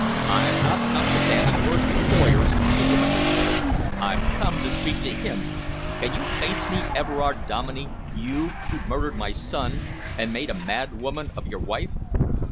"I've not come to bandy words with lawyers," the woman retorted. "I've come to speak to him. Can you face me, Everard Dominey, you who murdered my son and made a madwoman of your wife?"